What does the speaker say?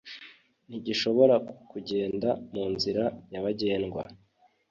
ntigishobora kugenda mu nzira nyabagendwa